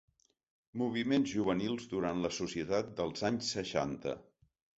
Moviments juvenils durant la societat dels anys seixanta.